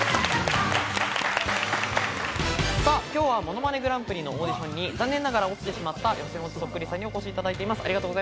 今日は『ものまねグランプリ』のオーディションに残念ながら落ちてしまった予選落ちそっくりさんにお越しいただいています。